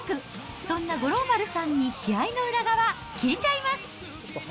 そんな五郎丸さんに試合の裏側、聞いちゃいます。